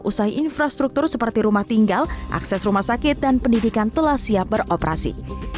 usai infrastruktur seperti rumah tinggal akses rumah sakit dan pendidikan telah siap beroperasi